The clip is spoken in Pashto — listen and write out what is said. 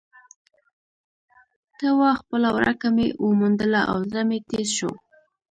ته وا خپله ورکه مې وموندله او زړه مې تیز شو.